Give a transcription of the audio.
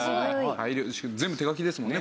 全部手書きですもんね